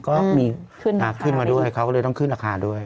ก็มีขึ้นมาด้วยเขาก็เลยต้องขึ้นราคาด้วย